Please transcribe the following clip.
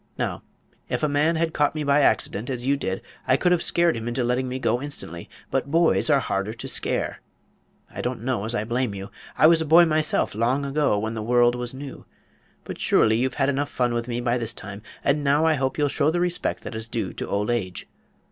Now, if a man had caught me by accident, as you did, I could have scared him into letting me go instantly; but boys are harder to scare. I don't know as I blame you. I was a boy myself, long ago, when the world was new. But surely you've had enough fun with me by this time, and now I hope you'll show the respect that is due to old age.